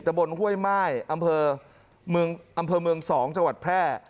ตำบนห่วยมา่อำเภออำเภอเมืองสองจังหวัดแพร่